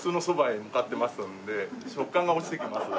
食感が落ちてきます。